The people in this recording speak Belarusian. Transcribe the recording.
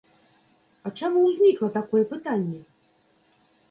А чаму ўзнікла такое пытанне?